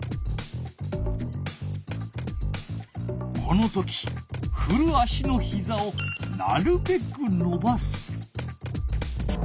この時ふる足のひざをなるべくのばす。